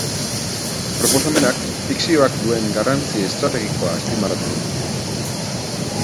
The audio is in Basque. Proposamenak, fikzioak duen garrantzi estrategikoa azpimarratu du.